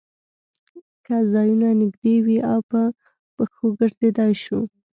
که ځایونه نږدې وي او په پښو ګرځېدای شو.